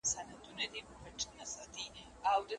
کشکي دي سینګارکم له نظر څخه بېرېږمه